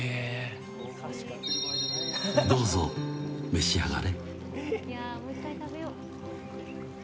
どうぞ、召し上がれ。